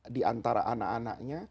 di antara anak anaknya